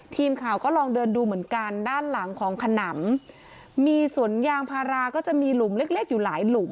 ทีมข่าวก็ลองเดินดูเหมือนกันด้านหลังของขนำมีสวนยางพาราก็จะมีหลุมเล็กเล็กอยู่หลายหลุม